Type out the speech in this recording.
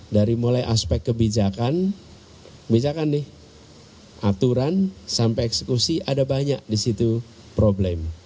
dari mulai aspek kebijakan nih aturan sampai eksekusi ada banyak di situ problem